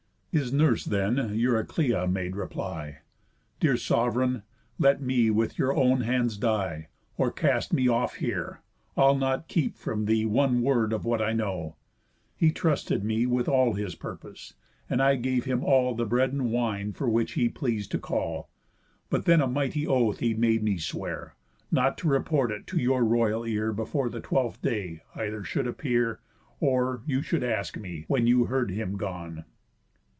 His nurse then, Euryclea, made reply: "Dear sov'reign, let me with your own hands die, Or cast me off here, I'll not keep from thee One word of what I know. He trusted me With all his purpose, and I gave him all The bread and wine for which he pleas'd to call. But then a mighty oath he made me swear, Not to report it to your royal ear Before the twelfth day either should appear, Or you should ask me when you heard him gone.